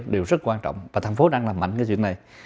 điều rất quan trọng và thành phố đang làm mạnh cái việc này